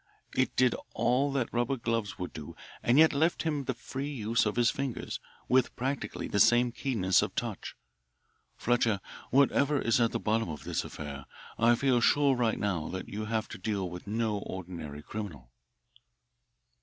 It did all that rubber gloves would do and yet left him the free use of his fingers with practically the same keenness of touch. Fletcher, whatever is at the bottom of this affair, I feel sure right now that you have to deal with no ordinary criminal."